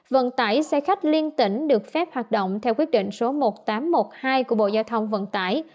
vận tải xe khách liên tỉnh được phép hoạt động theo quyết định số một nghìn tám trăm một mươi hai của bộ giao thông vận tải